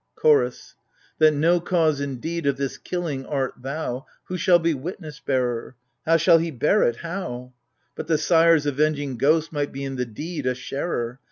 CHOROS. That no cause, indeed, of this killing art thou. Who shall be witness bearer ? How shall he bear it — how? But the sire's avenging ghost might be in the deed a sharer.